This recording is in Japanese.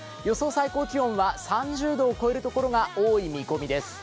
最高気温は３０度を超えるところが多い見込みです。